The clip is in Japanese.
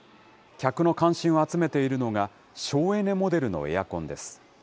客の関心を集めているのが、省エネモデルのエアコンです。